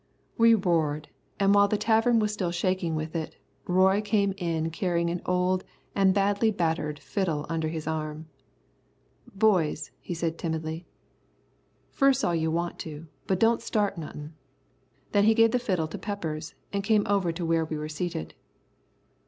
We roared, and while the tavern was still shaking with it, Roy came in carrying an old and badly battered fiddle under his arm. "Boys," he said timidly, "furse all you want to, but don't start nothin'." Then he gave the fiddle to Peppers, and came over to where we were seated.